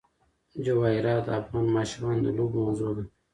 جواهرات د افغان ماشومانو د لوبو موضوع ده.